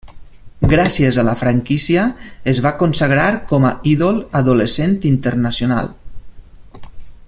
Gràcies a la franquícia es va consagrar com a ídol adolescent internacional.